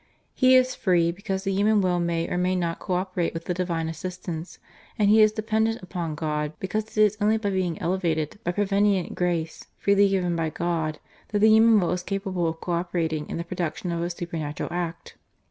He is free, because the human will may or may not co operate with the divine assistance, and he is dependent upon God, because it is only by being elevated by prevenient Grace freely given by God that the human will is capable of co operating in the production of a supernatural act.